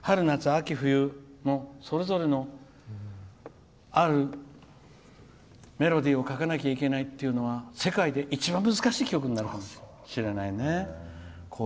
春夏秋冬それぞれの、あるメロディーを書かなきゃいけないっていうのは世界で一番難しい曲になるかもしれないね。